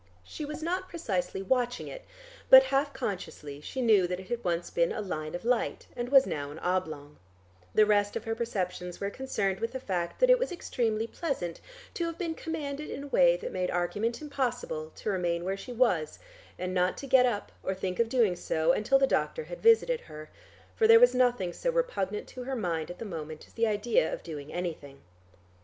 She was not precisely watching it, but, half consciously she knew that it had once been a line of light and was now an oblong, the rest of her perceptions were concerned with the fact that it was extremely pleasant to have been commanded in a way that made argument impossible, to remain where she was, and not to get up or think of doing so until the doctor had visited her, for there was nothing so repugnant to her mind at the moment as the idea of doing anything.